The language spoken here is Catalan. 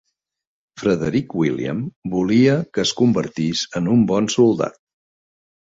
Frederic William volia que es convertís en un bon soldat.